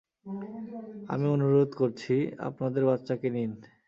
আমি অনুরোধ করছি, আপনাদের বাচ্চাকে নিন।